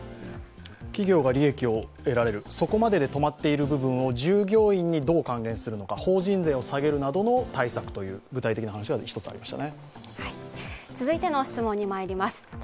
企業が利益を得られる、そこまでで止まっている部分を従業員にどう還元するのか、法人税を下げるなどの対策という具体的なものがありました。